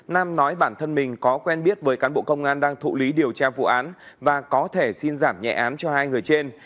nam nói bản thân mình có quen biết với cán bộ công an đang thụ lý điều tra vụ án và có thể xin giảm nhẹ án cho hai người trên